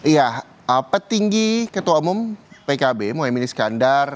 ya petinggi ketua umum pkb mohaimin iskandar